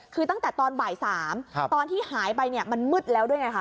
คือตั้งแต่ตอนบ่าย๓ตอนที่หายไปเนี่ยมันมืดแล้วด้วยไงคะ